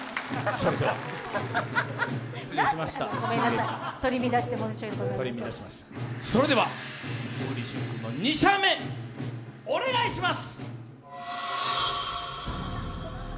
それでは小栗旬君の２射目お願いします。